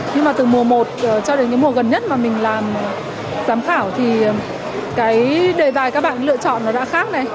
nhưng mà từ mùa một cho đến cái mùa gần nhất mà mình làm giám khảo thì cái đề tài các bạn lựa chọn nó đã khác này